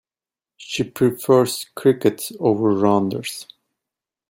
She prefers cricket over rounders.